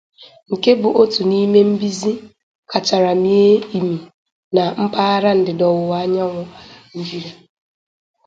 nke bụ otu n'ime mbize kachara mie imì na mpaghara ndịda-ọwụwa anyanwụ ala Nigeria